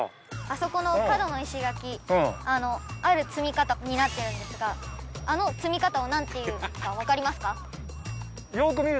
あそこの角の石垣ある積み方になってるんですがあの積み方をなんていうかわかりますか？